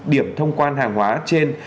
điểm thông quan hàng hóa trên